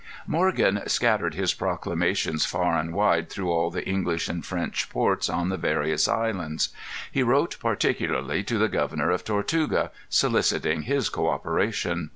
Morgan scattered his proclamations far and wide through all the English and French ports on the various islands. He wrote particularly to the governor of Tortuga, soliciting his coöperation.